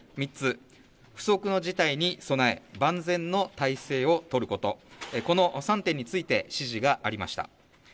３つ、不測の事態に備え、万全の態勢を取ること、この３点について、指示がありました。